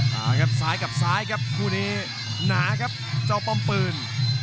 มาครับซ้ายกับซ้ายครับคู่นี้หนาครับเจ้าป้อมปืน